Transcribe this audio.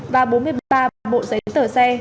và bốn mươi ba bộ giấy tờ xe